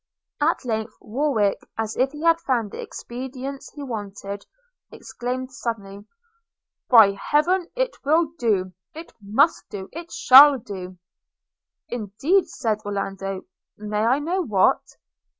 At length Warwick, as if he had found the expedient he wanted, exclaimed suddenly 'By Heaven it will do! – it must do! – it shall do!' 'Indeed!' said Orlando; 'may I know what?'